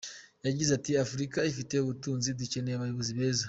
Yagize ati “Afurika ifite ubutunzi, dukeneye abayobozi beza.